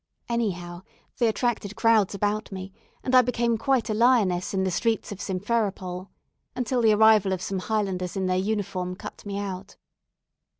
Anyhow, they attracted crowds about me, and I became quite a lioness in the streets of Simpheropol, until the arrival of some Highlanders in their uniform cut me out.